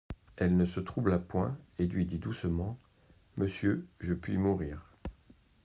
Elle ne se troubla point et lui dit doucement : «Monsieur, je puis mourir.